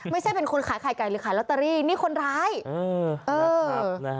ไม่ใช่เป็นคนขายไข่ไก่หรือขายลอตเตอรี่นี่คนร้าย